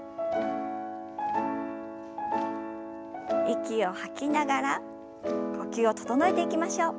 息を吐きながら呼吸を整えていきましょう。